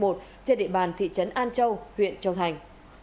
trên địa bàn thị trấn an châu huyện châu thành